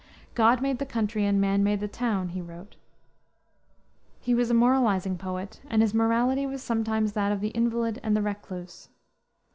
"God made the country and man made the town," he wrote. He was a moralizing poet, and his morality was sometimes that of the invalid and the recluse.